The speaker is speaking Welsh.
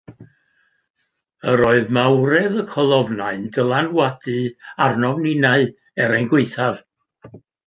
Yr oedd mawredd y colofnau'n dylanwadu arnom ninnau er ein gwaethaf.